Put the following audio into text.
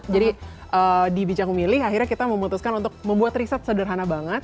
jadi di bijak memilih akhirnya kita memutuskan untuk membuat riset sederhana banget